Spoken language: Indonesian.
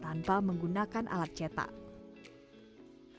namun karya yang diperkenalkan adalah lukisan kain